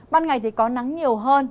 ban ngày thì có nắng nhiều hơn